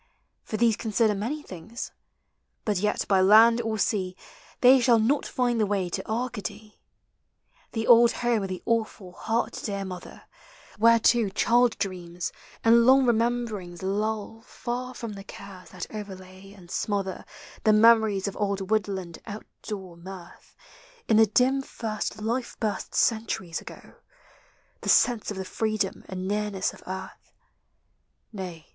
For these consider many things but yet By land or sea They shall not find the way to Already, The old home of the awful heart dear Mother, Whereto child dreams and long remembering! lull 28 POEMS OF NATURE. Far from the cares that overlay and smother The memories of old woodland out door mirth In the dim first life burst centuries ago, The sense of the freedom and nearness of Earth —■ Nav